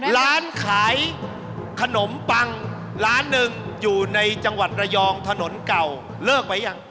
ร้านขายขนมปังร้านหนึ่งอยู่ในจังหวัดระยองถนนเก่าเลิกไปยัง